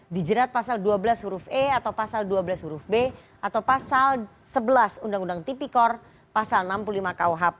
dijerat pasal dua belas huruf e atau pasal dua belas huruf b atau pasal sebelas undang undang tipikor pasal enam puluh lima kuhp